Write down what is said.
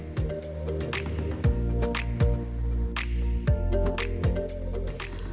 dan juga di provinsi lampung